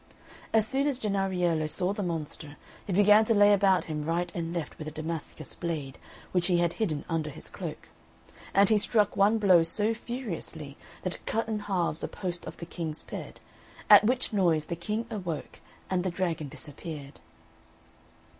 As soon as Jennariello saw the monster, he began to lay about him right and left with a Damascus blade which he had hidden under his cloak; and he struck one blow so furiously that it cut in halves a post of the King's bed, at which noise the King awoke, and the dragon disappeared.